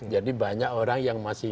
jadi banyak orang yang masih